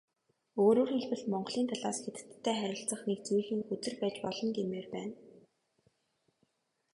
Өөрөөр хэлбэл, Монголын талаас Хятадтай харилцах нэг зүйлийн хөзөр байж болно гэмээр байна.